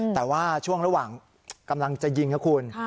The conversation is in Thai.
แต่ว่าช่วงระหว่างกำลังจะยิงนะคุณ